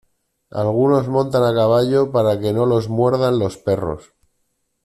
Algunos montan a caballo para que no los muerdan los perros.